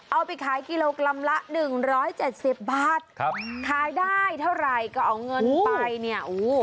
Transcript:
เอาไปขายกิโลกรัมละ๑๗๐บาทขายได้เท่าไหร่ก็เอาเงินไปเนี่ย